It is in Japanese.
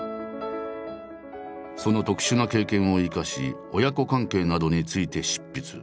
その特殊な経験を生かし親子関係などについて執筆。